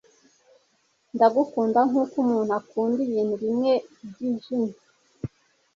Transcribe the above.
Ndagukunda nkuko umuntu akunda ibintu bimwe byijimye